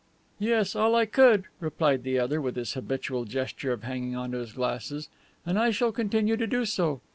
"Yes, all I could," replied the other, with his habitual gesture of hanging on to his glasses. "And I shall continue to do so.